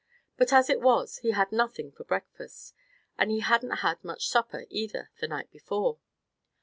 But, as it was, he had nothing for breakfast, and he hadn't had much supper either, the night before.